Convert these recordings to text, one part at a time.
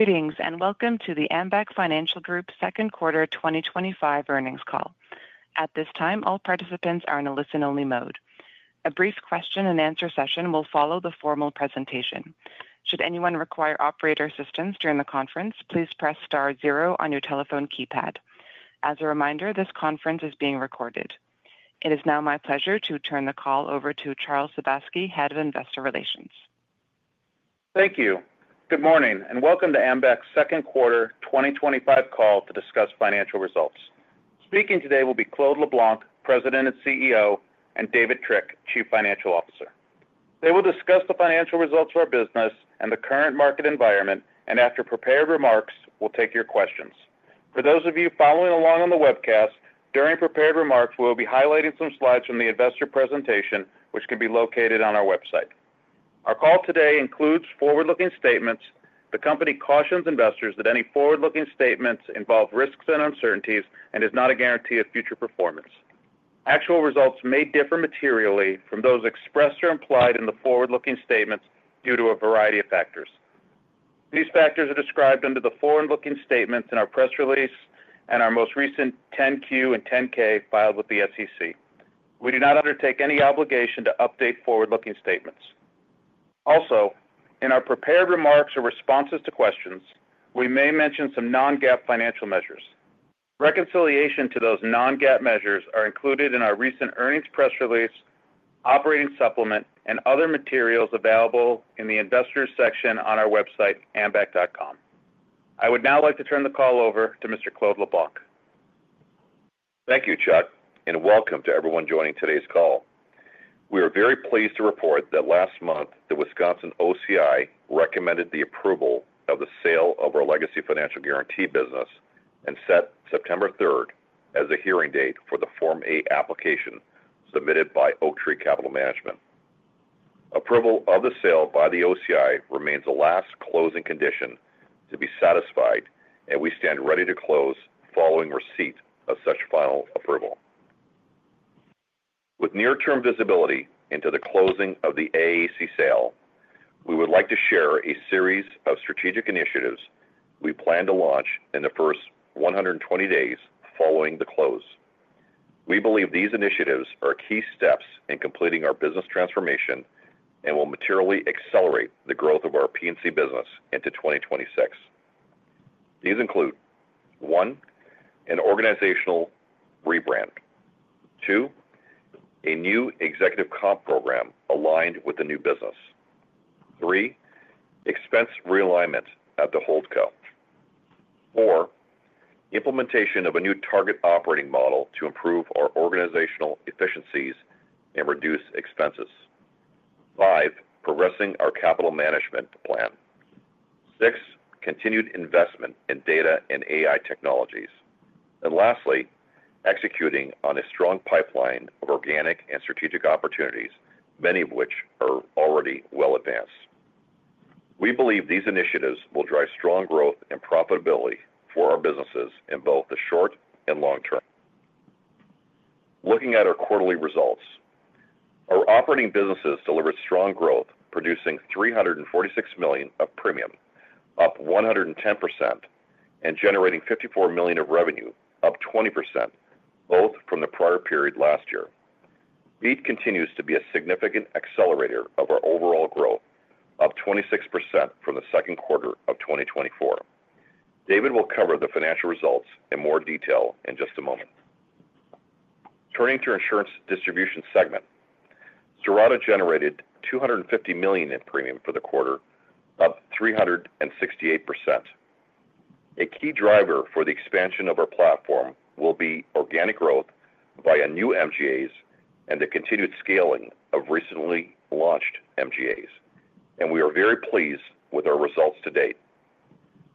Meetings, and welcome to the Ambac Financial Group's second quarter 2025 earnings call. At this time, all participants are in a listen-only mode. A brief question and answer session will follow the formal presentation. Should anyone require operator assistance during the conference, please press star zero on your telephone keypad. As a reminder, this conference is being recorded. It is now my pleasure to turn the call over to Charles Sebaski, Head of Investor Relations. Thank you. Good morning and welcome to Ambac Financial Group's second quarter 2025 call to discuss financial results. Speaking today will be Claude LeBlanc, President and CEO, and David Trick, Chief Financial Officer. They will discuss the financial results of our business and the current market environment, and after prepared remarks, we'll take your questions. For those of you following along on the webcast, during prepared remarks, we'll be highlighting some slides from the investor presentation, which can be located on our website. Our call today includes forward-looking statements. The company cautions investors that any forward-looking statements involve risks and uncertainties and is not a guarantee of future performance. Actual results may differ materially from those expressed or implied in the forward-looking statements due to a variety of factors. These factors are described under the forward-looking statements in our press release and our most recent 10-Q and 10-K filed with the SEC. We do not undertake any obligation to update forward-looking statements. Also, in our prepared remarks or responses to questions, we may mention some non-GAAP financial measures. Reconciliation to those non-GAAP measures are included in our recent earnings press release, operating supplement, and other materials available in the investors section on our website, ambac.com. I would now like to turn the call over to Mr. Claude LeBlanc. Thank you, Chuck, and welcome to everyone joining today's call. We are very pleased to report that last month the Wisconsin OCI recommended the approval of the sale of our legacy financial guarantee business and set September 3 as the hearing date for the Form A application submitted by Oaktree Capital Management. Approval of the sale by the OCI remains the last closing condition to be satisfied, and we stand ready to close following receipt of such final approval. With near-term visibility into the closing of the AAC sale, we would like to share a series of strategic initiatives we plan to launch in the first 120 days following the close. We believe these initiatives are key steps in completing our business transformation and will materially accelerate the growth of our P&C business into 2026. These include: one, an organizational rebrand; two, a new executive comp program aligned with the new business; three, expense realignment at the hold co; four, implementation of a new target operating model to improve our organizational efficiencies and reduce expenses; five, progressing our capital management plan; six, continued investment in data and AI technologies; and lastly, executing on a strong pipeline of organic and strategic opportunities, many of which are already well advanced. We believe these initiatives will drive strong growth and profitability for our businesses in both the short and long term. Looking at our quarterly results, our operating businesses delivered strong growth, producing $346 million of premium, up 110%, and generating $54 million of revenue, up 20%, both from the prior period last year. Beat continues to be a significant accelerator of our overall growth, up 26% from the second quarter of 2024. David will cover the financial results in more detail in just a moment. Turning to our insurance distribution segment, Serata generated $250 million in premium for the quarter, up 368%. A key driver for the expansion of our platform will be organic growth via new MGAs and the continued scaling of recently launched MGAs, and we are very pleased with our results to date.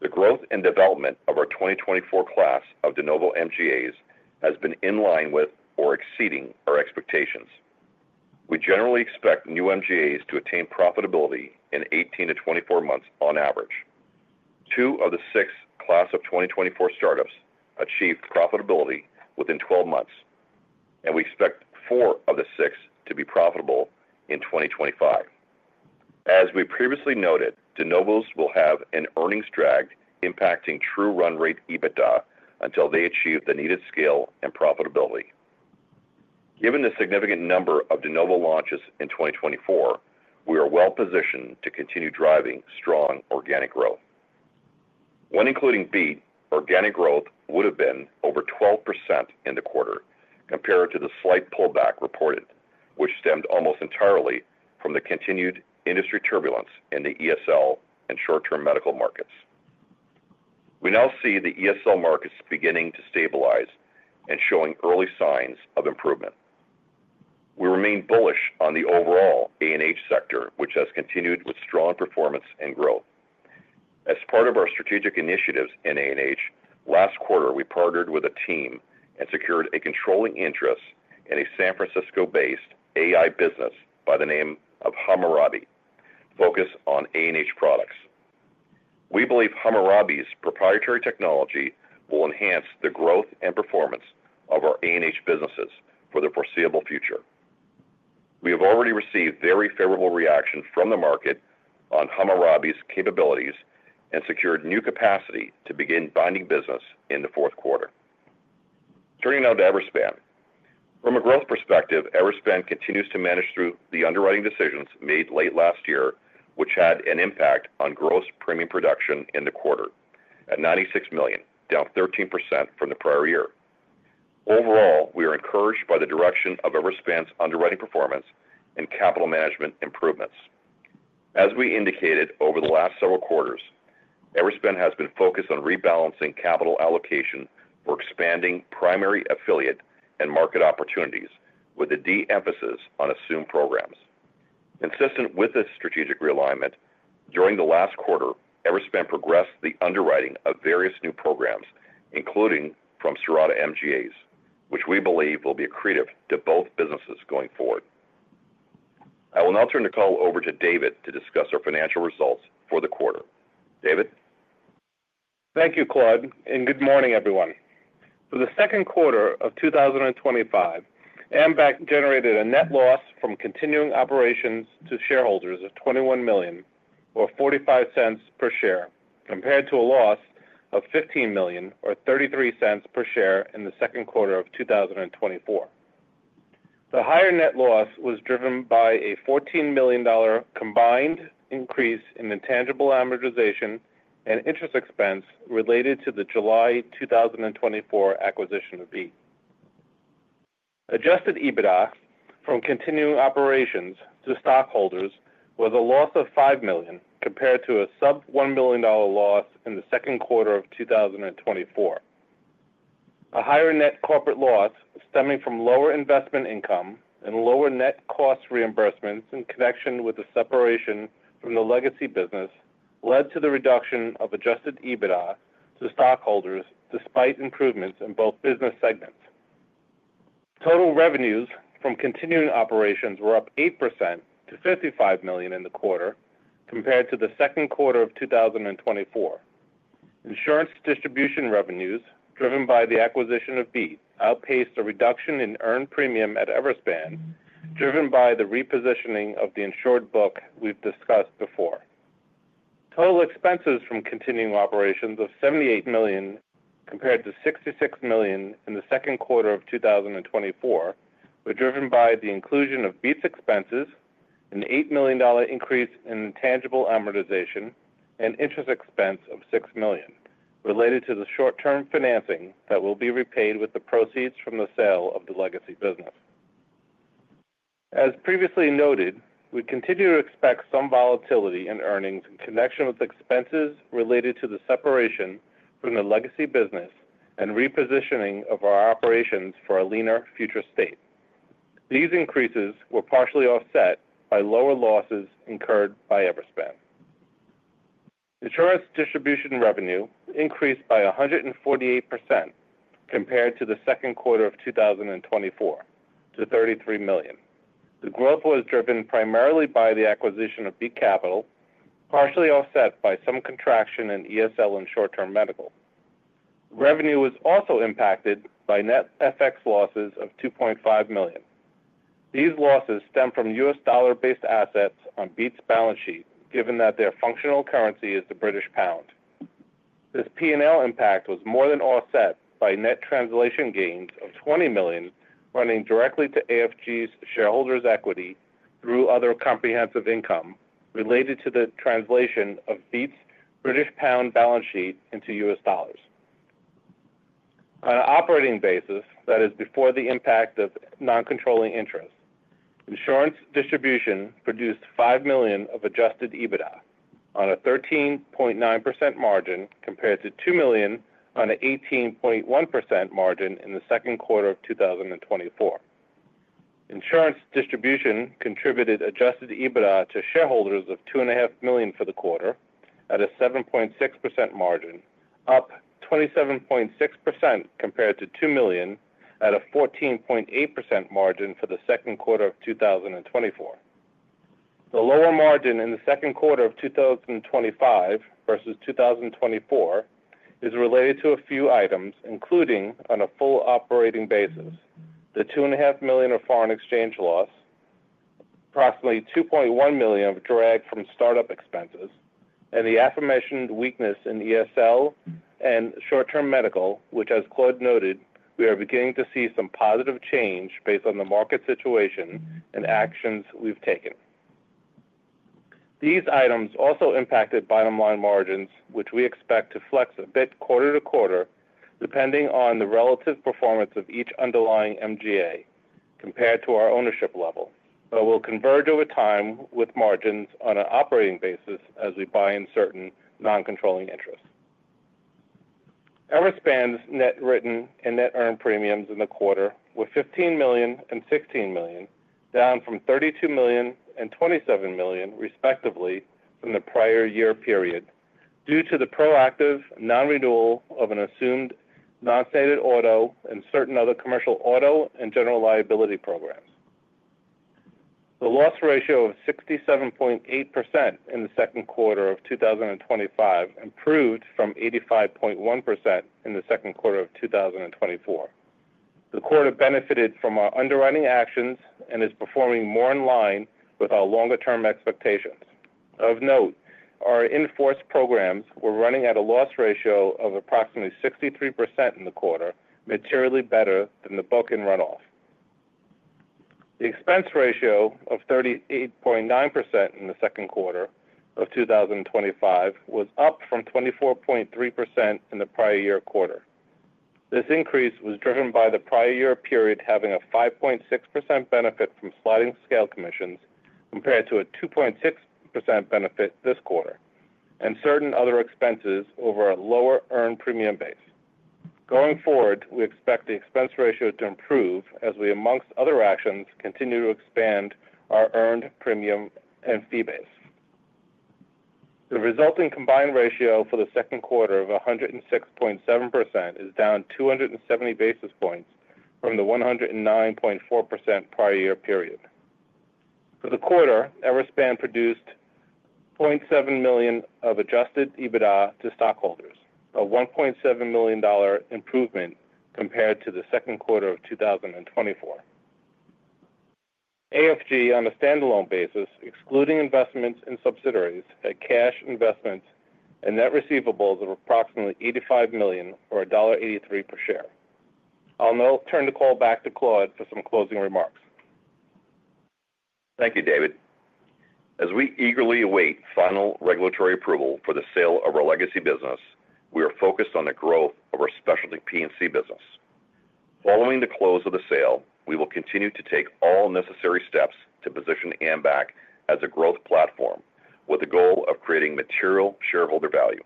The growth and development of our 2024 class of de novo MGAs has been in line with or exceeding our expectations. We generally expect new MGAs to attain profitability in 18 to 24 months on average. Two of the six class of 2024 startups achieved profitability within 12 months, and we expect four of the six to be profitable in 2025. As we previously noted, de novos will have an earnings drag impacting true run rate EBITDA until they achieve the needed scale and profitability. Given the significant number of de novo launches in 2024, we are well positioned to continue driving strong organic growth. When including Beat, organic growth would have been over 12% in the quarter compared to the slight pullback reported, which stemmed almost entirely from the continued industry turbulence in the employer stop loss and short-term medical markets. We now see the employer stop loss markets beginning to stabilize and showing early signs of improvement. We remain bullish on the overall accident & health sector, which has continued with strong performance and growth. As part of our strategic initiatives in accident & health, last quarter we partnered with a team and secured a controlling interest in a San Francisco-based AI business by the name of Hammurabi, focused on A&H products. We believe Hammurabi's proprietary technology will enhance the growth and performance of our A&H businesses for the foreseeable future. We have already received very favorable reaction from the market on Hammurabi's capabilities and secured new capacity to begin binding business in the fourth quarter. Turning now to Everspan. From a growth perspective, Everspan continues to manage through the underwriting decisions made late last year, which had an impact on gross premium production in the quarter at $96 million, down 13% from the prior year. Overall, we are encouraged by the direction of Everspan's underwriting performance and capital management improvements. As we indicated over the last several quarters, Everspan has been focused on rebalancing capital allocation for expanding primary affiliate and market opportunities with a de-emphasis on assumed programs. Consistent with this strategic realignment, during the last quarter, Everspan progressed the underwriting of various new programs, including from Serata MGAs, which we believe will be accretive to both businesses going forward. I will now turn the call over to David to discuss our financial results for the quarter. David? Thank you, Claude, and good morning, everyone. For the second quarter of 2025, Ambac generated a net loss from continuing operations to shareholders of $21 million, or $0.45 per share, compared to a loss of $15 million, or $0.33 per share in the second quarter of 2024. The higher net loss was driven by a $14 million combined increase in intangible amortization and interest expense related to the July 2024 acquisition of Beat. Adjusted EBITDA from continuing operations to stockholders was a loss of $5 million compared to a sub-$1 million loss in the second quarter of 2024. A higher net corporate loss stemming from lower investment income and lower net cost reimbursements in connection with the separation from the legacy business led to the reduction of adjusted EBITDA to stockholders despite improvements in both business segments. Total revenues from continuing operations were up 8% to $55 million in the quarter compared to the second quarter of 2024. Insurance distribution revenues driven by the acquisition of Beat outpaced a reduction in earned premium at Everspan driven by the repositioning of the insured book we've discussed before. Total expenses from continuing operations of $78 million compared to $66 million in the second quarter of 2024 were driven by the inclusion of Beat's expenses, an $8 million increase in intangible amortization, and interest expense of $6 million related to the short-term financing that will be repaid with the proceeds from the sale of the legacy business. As previously noted, we continue to expect some volatility in earnings in connection with expenses related to the separation from the legacy business and repositioning of our operations for a leaner future state. These increases were partially offset by lower losses incurred by Everspan. Insurance distribution revenue increased by 148% compared to the second quarter of 2024, to $33 million. The growth was driven primarily by the acquisition of Beat Capital, partially offset by some contraction in employer stop loss and short-term medical. Revenue was also impacted by net FX losses of $2.5 million. These losses stem from U.S. dollar-based assets on Beat's balance sheet, given that their functional currency is the British Pound. This P&L impact was more than offset by net translation gains of $20 million running directly to AFG's shareholders' equity through other comprehensive income related to the translation of Beats British Pound balance sheet into U.S. dollars. On an operating basis, that is before the impact of non-controlling interest, insurance distribution produced $5 million of adjusted EBITDA on a 13.9% margin compared to $2 million on an 18.1% margin in the second quarter of 2024. Insurance distribution contributed adjusted EBITDA to shareholders of $2.5 million for the quarter at a 7.6% margin, up 27.6% compared to $2 million at a 14.8% margin for the second quarter of 2024. The lower margin in the second quarter of 2025 versus 2024 is related to a few items, including on a full operating basis, the $2.5 million of foreign exchange loss, approximately $2.1 million of drag from startup expenses, and the aforementioned weakness in employer stop loss and short-term medical, which, as Claude noted, we are beginning to see some positive change based on the market situation and actions we've taken. These items also impacted bottom line margins, which we expect to flex a bit quarter to quarter depending on the relative performance of each underlying MGA compared to our ownership level, but will converge over time with margins on an operating basis as we buy in certain non-controlling interests. Everspan's net written and net earned premiums in the quarter were $15 million and $16 million, down from $32 million and $27 million, respectively, from the prior year period due to the proactive non-renewal of an assumed non-stated auto and certain other commercial auto and general liability programs. The loss ratio of 67.8% in the second quarter of 2025 improved from 85.1% in the second quarter of 2024. The quarter benefited from our underwriting actions and is performing more in line with our longer-term expectations. Of note, our inforce programs were running at a loss ratio of approximately 63% in the quarter, materially better than the book in runoff. The expense ratio of 38.9% in the second quarter of 2025 was up from 24.3% in the prior year quarter. This increase was driven by the prior year period having a 5.6% benefit from sliding scale commissions compared to a 2.6% benefit this quarter and certain other expenses over a lower earned premium base. Going forward, we expect the expense ratio to improve as we, amongst other actions, continue to expand our earned premium and fee base. The resulting combined ratio for the second quarter of 106.7% is down 270 basis points from the 109.4% prior year period. For the quarter, Everspan produced $0.7 million of adjusted EBITDA to stockholders, a $1.7 million improvement compared to the second quarter of 2024. AFC on a standalone basis, excluding investments in subsidiaries, had cash investments and net receivables of approximately $85 million or $1.83 per share. I'll now turn the call back to Claude for some closing remarks. Thank you, David. As we eagerly await final regulatory approval for the sale of our legacy business, we are focused on the growth of our specialty P&C business. Following the close of the sale, we will continue to take all necessary steps to position Ambac as a growth platform with the goal of creating material shareholder value.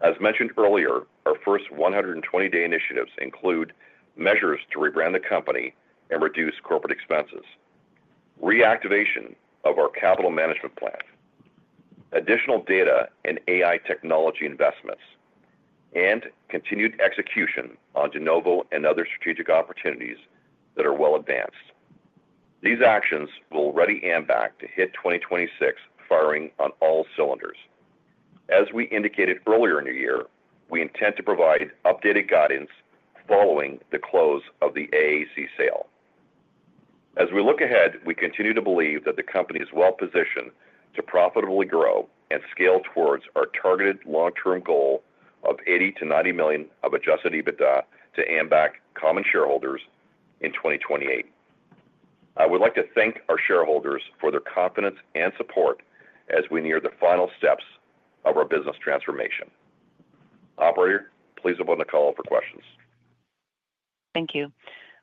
As mentioned earlier, our first 120-day initiatives include measures to rebrand the company and reduce corporate expenses, reactivation of our capital management plan, additional data and AI technology investments, and continued execution on de novo and other strategic opportunities that are well advanced. These actions will ready Ambac to hit 2026, firing on all cylinders. As we indicated earlier in the year, we intend to provide updated guidance following the close of the AAC sale. As we look ahead, we continue to believe that the company is well positioned to profitably grow and scale towards our targeted long-term goal of $80 to $90 million of adjusted EBITDA to Ambac common shareholders in 2028. I would like to thank our shareholders for their confidence and support as we near the final steps of our business transformation. Operator, please open the call for questions. Thank you.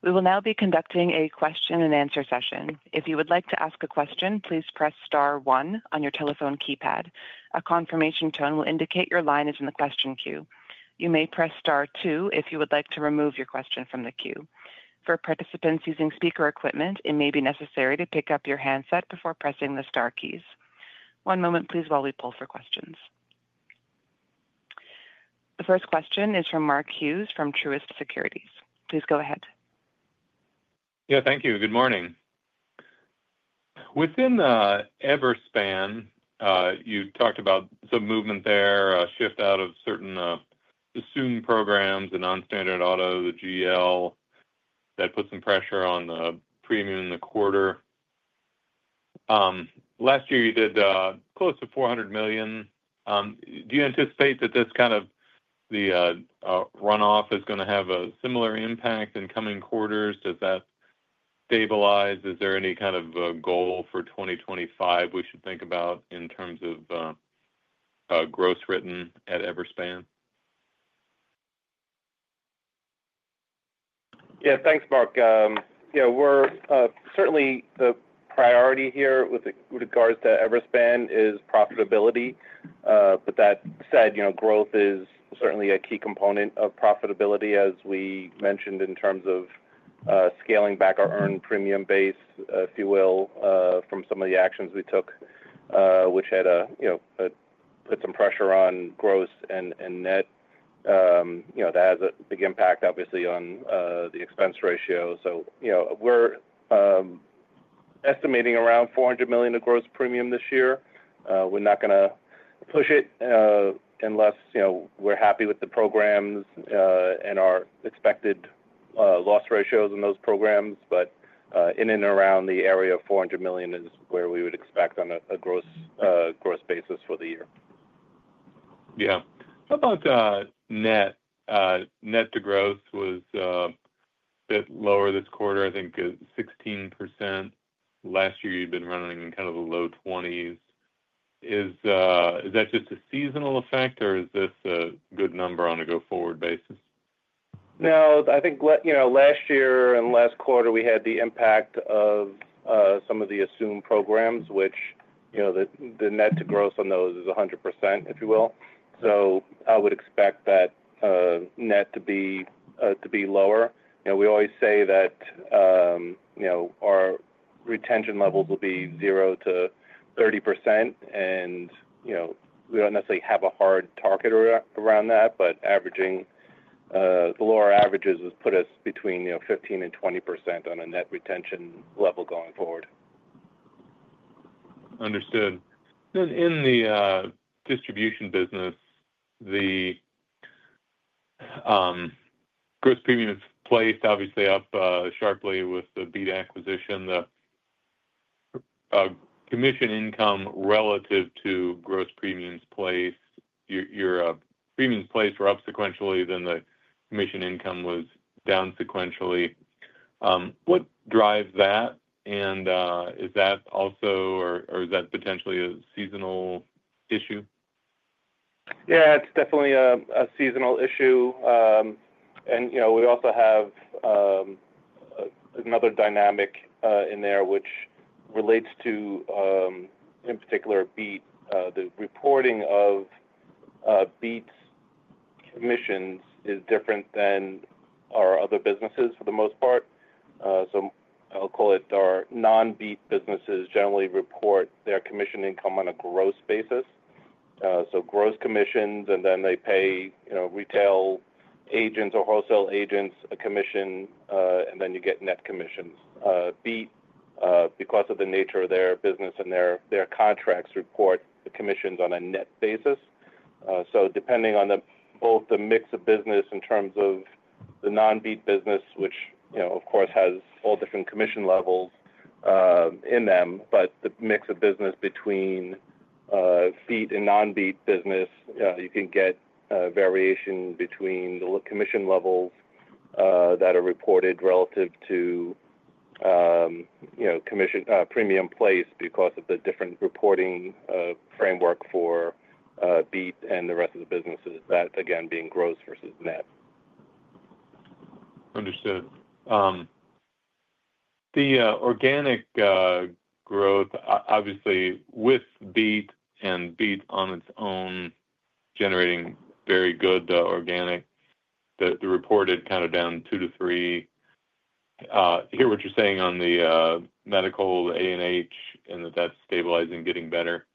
We will now be conducting a question and answer session. If you would like to ask a question, please press star one on your telephone keypad. A confirmation tone will indicate your line is in the question queue. You may press star two if you would like to remove your question from the queue. For participants using speaker equipment, it may be necessary to pick up your handset before pressing the star keys. One moment, please, while we pull for questions. The first question is from Mark Hughes from Truist Securities. Please go ahead. Thank you. Good morning. Within Everspan, you talked about some movement there, a fifth out of certain assumed programs and non-standard auto, the general liability that put some pressure on the premium in the quarter. Last year, you did close to $400 million. Do you anticipate that this kind of the runoff is going to have a similar impact in coming quarters? Does that stabilize? Is there any kind of goal for 2025 we should think about in terms of gross written at Everspan? Yeah, thanks, Mark. We're certainly the priority here with regards to Everspan is profitability. That said, growth is certainly a key component of profitability, as we mentioned in terms of scaling back our earned premium base, if you will, from some of the actions we took, which had put some pressure on gross and net. That has a big impact, obviously, on the expense ratio. We're estimating around $400 million of gross premium this year. We're not going to push it unless we're happy with the programs and our expected loss ratios in those programs. In and around the area of $400 million is where we would expect on a gross basis for the year. Yeah. How about net? Net to growth was a bit lower this quarter. I think 16% last year you've been running in kind of the low 20%. Is that just a seasonal effect, or is this a good number on a go-forward basis? I think last year and last quarter we had the impact of some of the assumed programs, which, you know, the net to gross on those is 100%, if you will. I would expect that net to be lower. We always say that our retention levels will be 0 to 30%. We don't necessarily have a hard target around that, but averaging the lower averages would put us between 15 and 20% on a net retention level going forward. Understood. In the distribution business, the gross premiums placed obviously up sharply with the Beat acquisition. The commission income relative to gross premiums placed, your premiums placed were up sequentially, the commission income was down sequentially. What drives that? Is that also, or is that potentially a seasonal issue? Yeah, it's definitely a seasonal issue. You know, we also have another dynamic in there, which relates to, in particular, Beat. The reporting of Beat's commissions is different than our other businesses for the most part. I'll call it our non-Beat businesses generally report their commission income on a gross basis, so gross commissions, and then they pay, you know, retail agents or wholesale agents a commission, and then you get net commissions. Beat, because of the nature of their business and their contracts, report the commissions on a net basis. Depending on both the mix of business in terms of the non-Beat business, which, you know, of course, has all different commission levels in them, but the mix of business between Beat and non-Beat business, you can get a variation between the commission levels that are reported relative to, you know, premium placed because of the different reporting framework for Beat and the rest of the businesses, that again, being gross versus net. Understood. The organic growth, obviously, with Beat and Beat on its own generating very good organic, the reported kind of down 2% to 3%. I hear what you're saying on the medical, the A&H, and that that's stabilizing, getting better.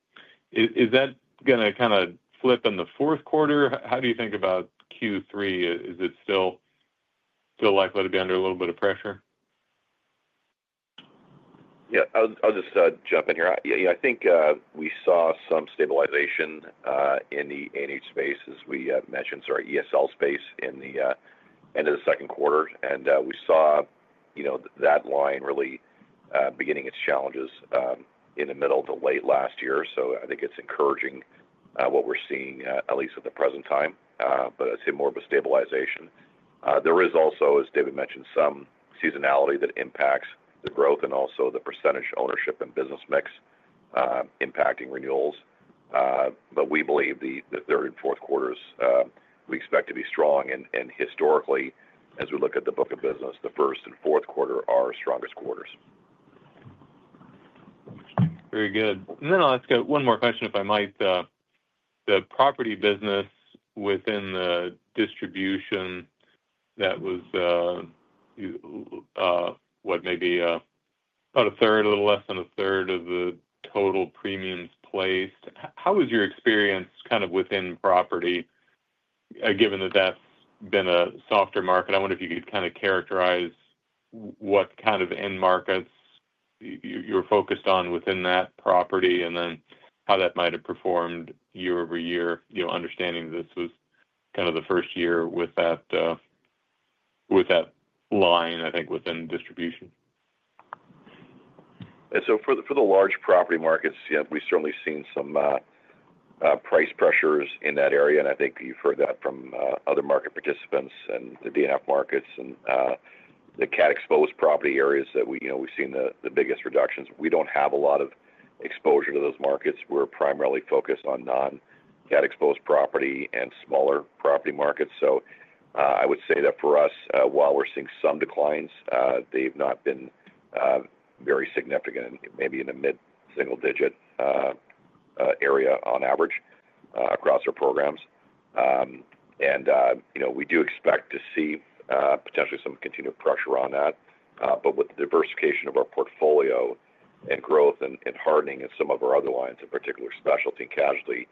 Is that going to kind of flip in the fourth quarter? How do you think about Q3? Is it still likely to be under a little bit of pressure? Yeah, I'll just jump in here. I think we saw some stabilization in the A&H space, as we mentioned, so our ESL space in the end of the second quarter. We saw that line really beginning its challenges in the middle to late last year. I think it's encouraging what we're seeing, at least at the present time. I'd say more of a stabilization. There is also, as David mentioned, some seasonality that impacts the growth and also the percentage ownership and business mix impacting renewals. We believe the third and fourth quarters we expect to be strong. Historically, as we look at the book of business, the first and fourth quarter are strongest quarters. Very good. I'll ask one more question, if I might. The property business within the distribution, that was maybe about a third, a little less than a third of the total premiums placed. How was your experience within property, given that that's been a softer market? I wonder if you could characterize what kind of end markets you were focused on within that property and then how that might have performed year over year, understanding this was the first year with that line, I think, within distribution. For the large property markets, yeah, we've certainly seen some price pressures in that area. I think you've heard that from other market participants and the DNF markets and the cat-exposed property areas that we've seen the biggest reductions. We don't have a lot of exposure to those markets. We're primarily focused on non-cat-exposed property and smaller property markets. I would say that for us, while we're seeing some declines, they've not been very significant and maybe in a mid-single-digit area on average across our programs. We do expect to see potentially some continued pressure on that. With the diversification of our portfolio and growth and hardening in some of our other lines, in particular, specialty and casualty,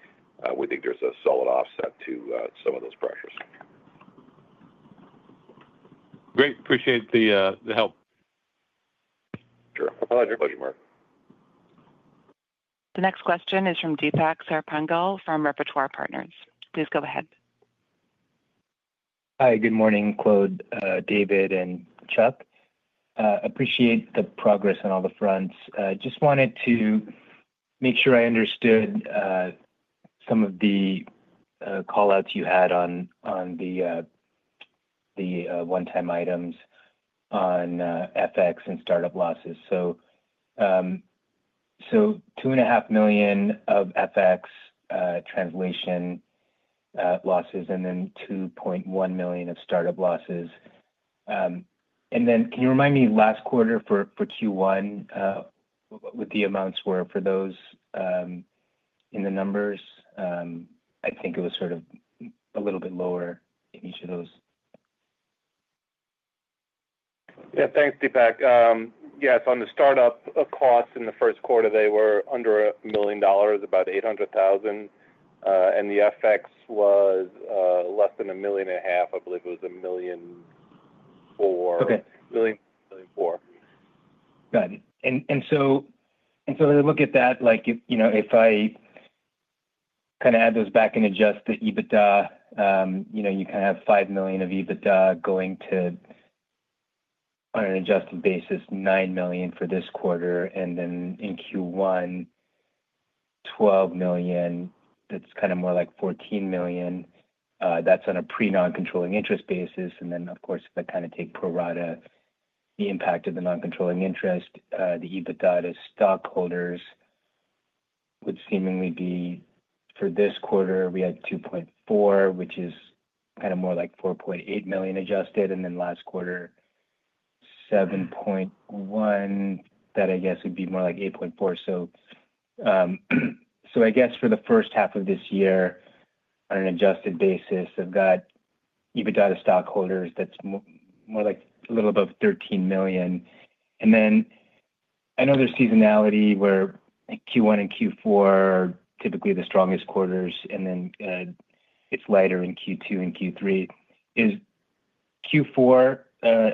we think there's a solid offset to some of those pressures. Great. Appreciate the help. Sure. My pleasure, Mark. The next question is from Deepak Sarpangal from Repertoire Partners. Please go ahead. Hi, good morning, Claude, David, and Chuck. Appreciate the progress on all the fronts. I just wanted to make sure I understood some of the callouts you had on the one-time items on FX and startup losses. $2.5 million of FX translation losses and then $2.1 million of startup losses. Can you remind me last quarter for Q1 what the amounts were for those in the numbers? I think it was sort of a little bit lower in each of those. Yeah, thanks, Deepak. Yes, on the startup costs in the first quarter, they were under $1 million, about $800,000. The FX was less than $1.5 million. I believe it was $1.4 million. Okay. Got it. If I kind of add those back and adjust the EBITDA, you kind of have $5 million of EBITDA going to, on an adjusted basis, $9 million for this quarter. In Q1, $12 million, that's kind of more like $14 million. That's on a pre-non-controlling interest basis. Of course, if I kind of take pro rata the impact of the non-controlling interest, the EBITDA to stockholders would seemingly be for this quarter, we had $2.4 million, which is kind of more like $4.8 million adjusted. Last quarter, $7.1 million, that I guess would be more like $8.4 million. I guess for the first half of this year, on an adjusted basis, I've got EBITDA to stockholders that's more like a little above $13 million. I know there's seasonality where Q1 and Q4 are typically the strongest quarters, and then it's lighter in Q2 and Q3. Is Q4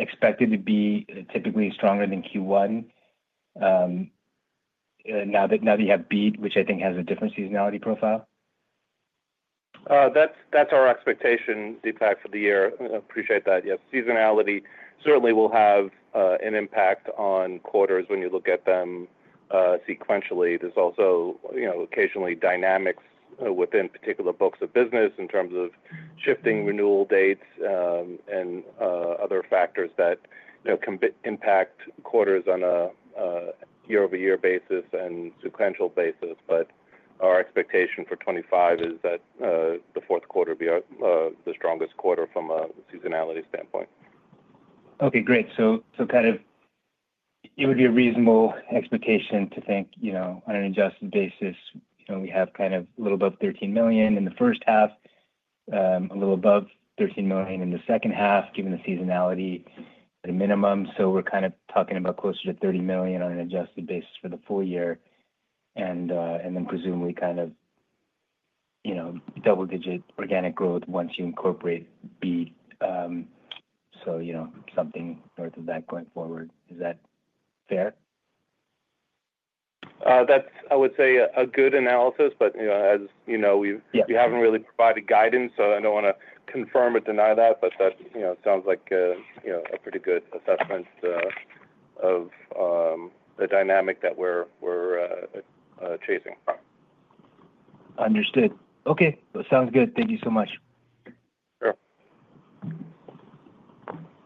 expected to be typically stronger than Q1 now that you have Beat, which I think has a different seasonality profile? That's our expectation, Deepak, for the year. I appreciate that. Yes, seasonality certainly will have an impact on quarters when you look at them sequentially. There's also occasionally dynamics within particular books of business in terms of shifting renewal dates and other factors that can impact quarters on a year-over-year basis and sequential basis. Our expectation for 2025 is that the fourth quarter will be the strongest quarter from a seasonality standpoint. Okay, great. It would be a reasonable expectation to think, you know, on an adjusted basis, we have kind of a little above $13 million in the first half, a little above $13 million in the second half given the seasonality at a minimum. We're kind of talking about closer to $30 million on an adjusted basis for the full year. Then presumably, double-digit organic growth once you incorporate Beat. Something worth of that going forward. Is that fair? That's, I would say, a good analysis. As you know, we haven't really provided guidance, so I don't want to confirm or deny that. It sounds like a pretty good assessment of the dynamic that we're chasing. Understood. Okay, sounds good. Thank you so much. Sure.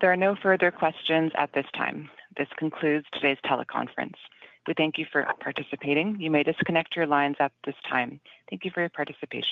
There are no further questions at this time. This concludes today's teleconference. We thank you for participating. You may disconnect your lines at this time. Thank you for your participation.